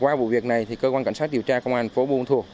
qua vụ việc này cơ quan cảnh sát điều tra công an phố buôn thuộc